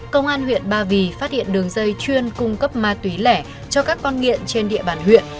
công an huyện ba vì phát hiện đường dây chuyên cung cấp ma túy lẻ cho các con nghiện trên địa bàn huyện